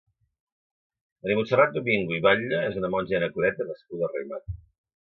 Maria Montserrat Domingo i Batlle és una monja i anacoreta nascuda a Raimat.